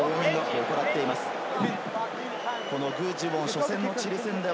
初戦のチリ戦で。